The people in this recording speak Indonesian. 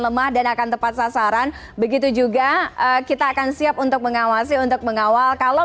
lemah dan akan tepat sasaran begitu juga kita akan siap untuk mengawasi untuk mengawal kalau